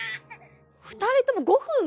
２人とも５分？